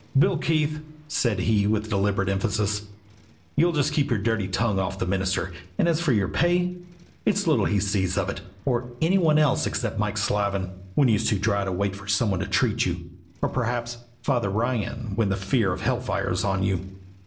"Bill Keefe," said he with deliberate emphasis, "you'll just keep your dirty tongue off the minister; and as for your pay, it's little he sees of it, or any one else except Mike Slavin, when you's too dry to wait for some one to treat you, or perhaps Father Ryan, when the fear of hell fire is on you."